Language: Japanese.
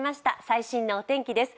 最新のお天気です。